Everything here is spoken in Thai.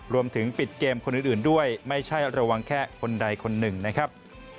รวมถึงปิดเกมคนอื่นด้วยไม่ใช่ระวังแค่คนใดคนหนึ่งนะครับ